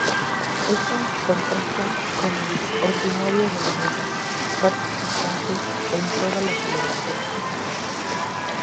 Esto contrasta con el ordinario de la Misa, parte constante en todas las celebraciones.